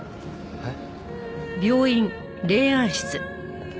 えっ？